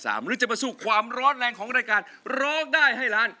หรือจะมาสู้ความร้อนแรงของรายการร้องได้ให้ล้าน